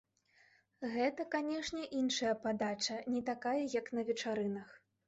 Гэта, канечне, іншая падача, не такая, як на вечарынах.